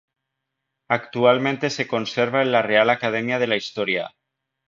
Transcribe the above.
Actualmente se conserva en la Real Academia de la Historia.